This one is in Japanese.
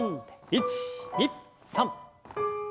１２３。